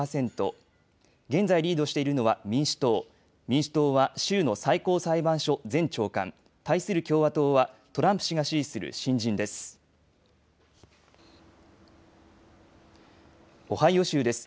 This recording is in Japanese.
現在リードしているのは民主党、民主党は州の最高裁判所前長官、対する共和党はトランプ氏が支持する新人です。